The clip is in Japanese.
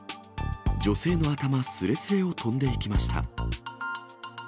女性の頭すれすれを飛んでいきました。